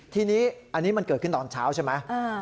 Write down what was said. ทีนี้อันนี้มันเกิดขึ้นตอนเช้าใช่ไหม